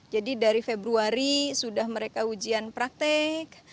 jadi dari februari sudah mereka ujian praktek